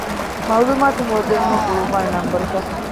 މަޢުލޫމާތު ހޯއްދެވުމަށް ގުޅުއްވާނެ ނަންބަރުތައް.